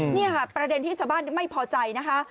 นี่ค่ะประเด็นที่ชาวบ้านไม่พอใจนะคะ